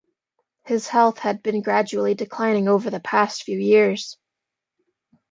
His health had been gradually declining over the past few years.